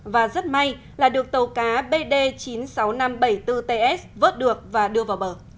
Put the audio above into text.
và rất may là được tàu cá bd chín mươi sáu nghìn năm trăm bảy mươi bốn ts vớt được và đưa vào bờ